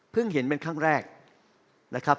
เห็นเป็นครั้งแรกนะครับ